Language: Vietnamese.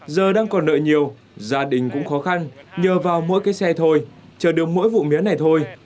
giờ đang còn nợ nhiều gia đình cũng khó khăn nhờ vào mỗi cái xe thôi chờ được mỗi vụ mía này thôi